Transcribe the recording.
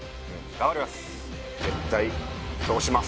頑張ります